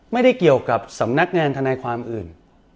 ไม่ได้เกี่ยวกับสำนักงานทนายความอื่น